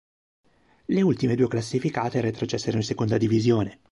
Le ultime due classificate retrocessero in Seconda Divisione.